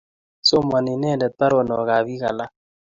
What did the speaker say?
Somani inendet paronok ap piik alak.